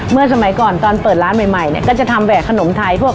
เมื่อก่อนตอนเปิดร้านใหม่ก็จะทำแวดขนมไทย